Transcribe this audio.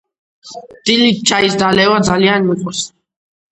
დილით ჩაის დალევა ძალიან მიყვარს.